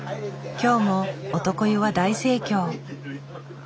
今日も男湯は大盛況。